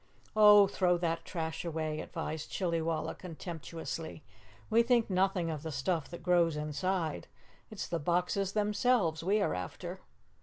"Oh, throw that trash away," advised Chillywalla contemptuously. "We think nothing of the stuff that grows inside, it's the boxes themselves we are after."